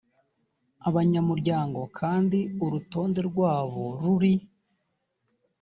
abanyamuryango kandi urutonde rwabo ruri